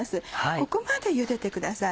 ここまでゆでてください。